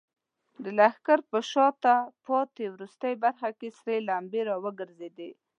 د لښکر په شاته پاتې وروستۍ برخه کې سرې لمبې راوګرځېدې.